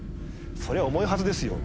そりゃ重いはずですよ。